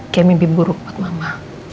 kayak mimpi buruk buat mama